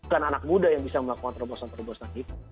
bagaimana cara kita bisa melakukan terobosan terobosan